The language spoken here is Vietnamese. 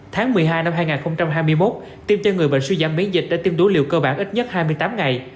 tháng một mươi hai năm hai nghìn hai mươi một tiêm cho người bệnh suy giảm biến dịch đã tiêm đủ liều cơ bản ít nhất hai mươi tám ngày